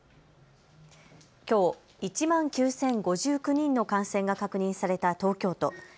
きょう１万９０５９人の感染が確認された東京都。